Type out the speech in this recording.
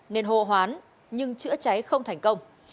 nên hồ hoán nhưng chữa cháy không thành công